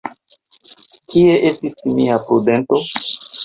Kie estis mia prudento?